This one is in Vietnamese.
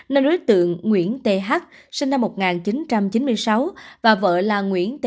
nên đối tượng nguyễn th sinh năm một nghìn chín trăm chín mươi sáu và vợ là nguyễn tị